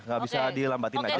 gak bisa dilambatin aja